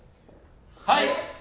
はい！